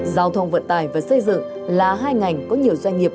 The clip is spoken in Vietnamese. giao thông vận tải và xây dựng là hai ngành có nhiều doanh nghiệp